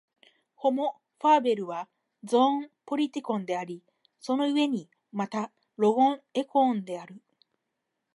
ホモ・ファーベルはゾーン・ポリティコンであり、その故にまたロゴン・エコーンである。